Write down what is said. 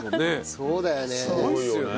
そうだよね。